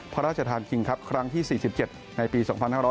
พระราชทานคิงครับครั้งที่๔๗ในปี๒๕๖๐